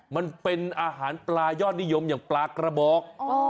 มันเป็นอาหารปลายอดนิยมอย่างปลากระบอก